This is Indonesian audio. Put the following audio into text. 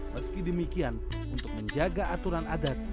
meski demikian untuk menjaga aturan adat